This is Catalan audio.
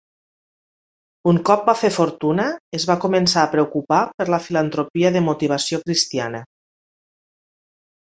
Un cop va fer fortuna, es va començar a preocupar per la filantropia de motivació cristiana.